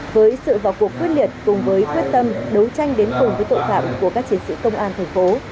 với sự vào cuộc quyết liệt cùng với quyết tâm đấu tranh đến cùng với tội phạm của các chiến sĩ công an thành phố